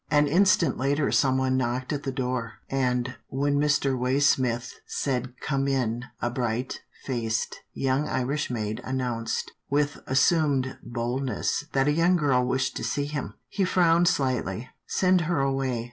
An instant later someone knocked at the door, and, when Mr. Waysmith said, " Come in," a bright faced, young Irish maid announced, with as sumed boldness, that a young girl wished to see him. He frowned slightly. " Send her away.